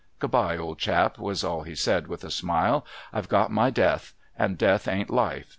' Good bye, old chap,' was all he said, with a smile. ' I've got my death. And Death ain't life.